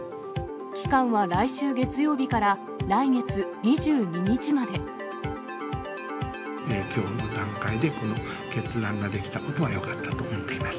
期間は来週月曜日から来月きょうの段階でこの決断ができたことはよかったと思っています。